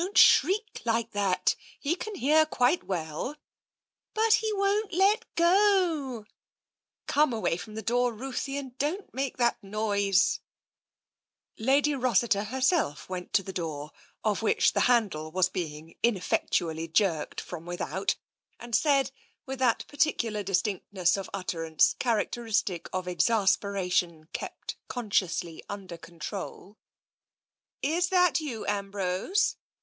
Don't shriek like that, he can hear quite well." " But he won't let go "" Come away from the door, Ruthie, and don't make that noise." • TENSION 3 Lady Rossiter herself went to the door of which the handle was being ineffectually jerked from with out, and said with that peculiar distinctness of utter ance characteristic of exasperation kept consciously under control :" Is that you, Ambrose